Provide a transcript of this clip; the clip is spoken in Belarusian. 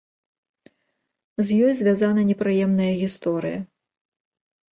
З ёй звязана непрыемная гісторыя.